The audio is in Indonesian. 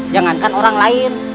jangankan orang lain